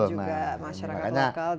dan juga masyarakat lokal